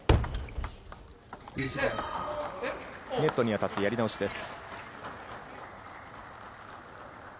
ネットに当たってやり直しです。